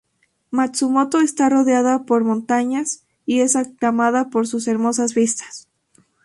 Matsumoto está rodeada por montañas y es aclamada por sus hermosas vistas.